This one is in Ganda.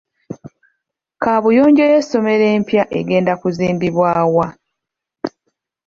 Kaabuyonjo y'essomero empya egenda kuzimbibwa wa?